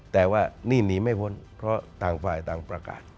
แต่ว่านี่หนีไม่พ้นเพราะต่างฝ่ายต่างประกาศ